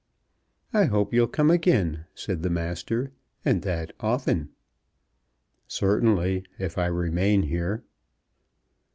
"I hope you'll come again," said the Master, "and that often." "Certainly, if I remain here."